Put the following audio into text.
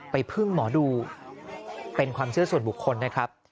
พึ่งหมอดูเป็นความเชื่อส่วนบุคคลนะครับ